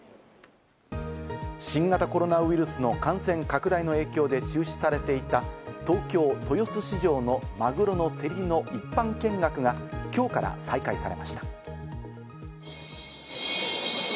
新型コロナウイルスの感染拡大の影響で中止されていた東京・豊洲市場のマグロの競りの一般見学が今日から再開されました。